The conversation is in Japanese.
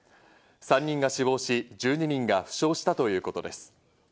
３人が死亡し、１２人が負傷したということです。